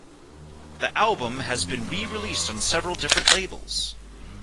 The album has been re-released on several different labels.